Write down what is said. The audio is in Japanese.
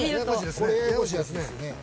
これややこしいやつですよね。